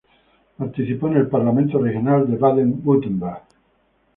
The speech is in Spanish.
Participó en el Parlamento Regional de Baden-Württemberg.